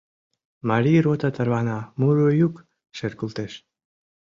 Марий рота тарвана, муро йӱк шергылтеш: